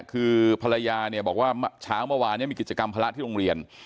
คือภรรยาเนี่ยบอกว่าเช้าเมื่อวานมีกิจกรรมภาระที่โรงเรียน